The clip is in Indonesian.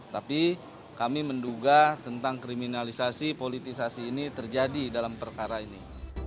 tapi kami menduga tentang kriminalisasi politisasi ini terjadi dalam perkara ini